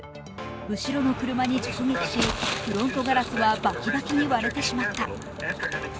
後ろの車に直撃し、フロントガラスはバキバキに割れてしまった。